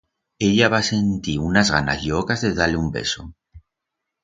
Ella va sentir unas ganas llocas de dar-le un beso.